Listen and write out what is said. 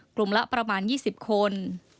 กลุ่มละประมาณ๒๐คน